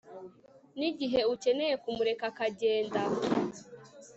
nigihe ukeneye kumureka akagenda